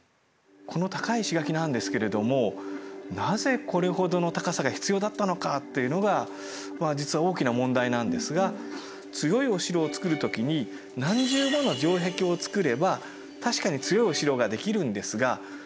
この高い石垣なんですけれどもなぜこれほどの高さが必要だったのかというのが実は大きな問題なんですが強いお城を造る時にその分たくさんの家臣ですね